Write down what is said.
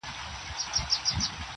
خلک د نړيوالو خبرونو په اړه بحث کوي,